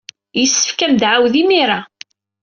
Yessefk ad am-d-tɛawed imir-a.